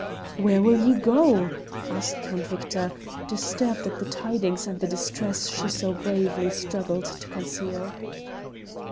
"Where will you go?" asked Count Victor, disturbed at the tidings and the distress she so bravely struggled to conceal.